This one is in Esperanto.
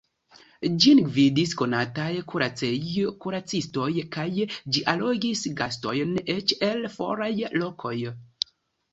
Ĝin gvidis konataj kuracej-kuracistoj kaj ĝi allogis gastojn eĉ el foraj lokoj.